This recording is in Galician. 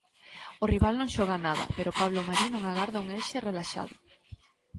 O rival non xoga nada, pero Pablo Marí non agarda un Elxe relaxado.